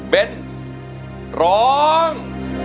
เป็นร้อง